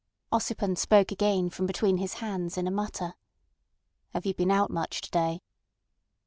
Ossipon spoke again from between his hands in a mutter. "Have you been out much to day?"